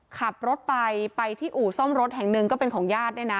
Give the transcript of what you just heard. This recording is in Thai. ขับรถไปไปที่อู่ซ่อมรถแห่งหนึ่งก็เป็นของญาติเนี่ยนะ